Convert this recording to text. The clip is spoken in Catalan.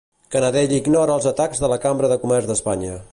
Canadell ignora els atacs de la Cambra de Comerç d'Espanya.